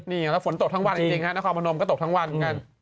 นี่แล้วฝนตกทั้งวันจริงฮะนครพนมก็ตกทั้งวันเหมือนกัน